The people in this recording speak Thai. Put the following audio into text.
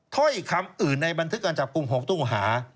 ถ้อยคำอื่นในบันทึกการจับกลุ่ม๖ตู้หา